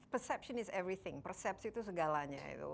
persepsi itu segalanya